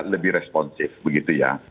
lebih responsif begitu ya